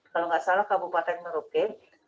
kalau nggak salah kabupaten merauke